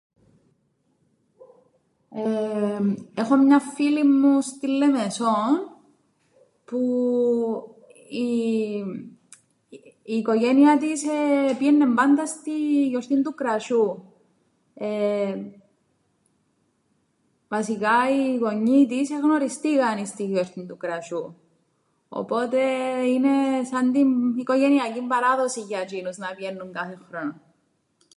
Εεεμ, έχω μιαν φίλην μου στην Λεμεσόν, που η οικογένεια της επήαιννεν πάντα στην γιορτήν του κρασιού, εεεμ, βασικά οι γονιοί της εγνωριστήκαν εις την γιορτήν του κρασιού, οπότε είναι σαν την οικογενειακήν παράδοσην για τζ̌είνους να πηαίννουν κάθε χρόνον.